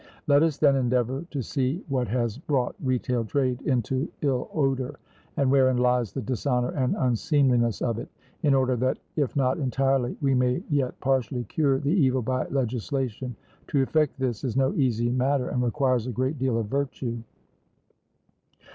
Let us then endeavour to see what has brought retail trade into ill odour, and wherein lies the dishonour and unseemliness of it, in order that if not entirely, we may yet partially, cure the evil by legislation. To effect this is no easy matter, and requires a great deal of virtue.